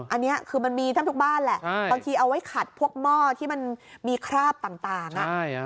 อันนี้คือมันมีแทบทุกบ้านแหละบางทีเอาไว้ขัดพวกหม้อที่มันมีคราบต่าง